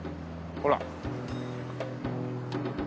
ほら。